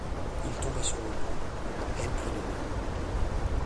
Il tomba sur le banc, elle près de lui.